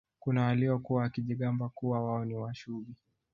kuna waliokuwa wakijigamba kuwa wao ni Washubi